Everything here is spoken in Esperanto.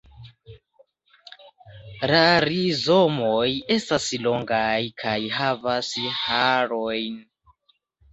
La rizomoj estas longaj kaj havas harojn.